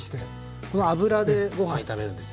この油でご飯炒めるんですよ。